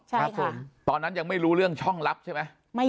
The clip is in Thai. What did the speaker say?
ครับผมตอนนั้นยังไม่รู้เรื่องช่องลับใช่ไหม